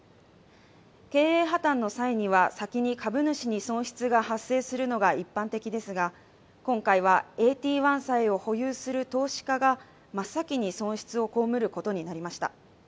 経営破綻の際には先に株主に損失が発生するのが一般的ですが今回はＡＴ１債を保有する投資家が真っ先に損失を被ることになりました。